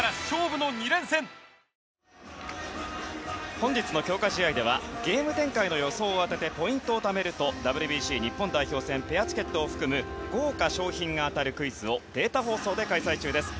本日の強化試合ではゲーム展開の予想を当ててポイントをためるとＷＢＣ日本代表戦ペアチケットを含む豪華賞品が当たるクイズをデータ放送で開催中です。